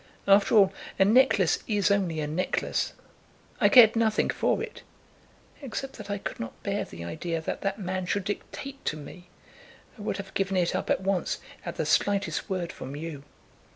After all, a necklace is only a necklace. I cared nothing for it, except that I could not bear the idea that that man should dictate to me. I would have given it up at once, at the slightest word from you."